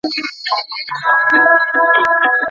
د لاس خط د انسان تر مړینې وروسته هم پاته کیږي.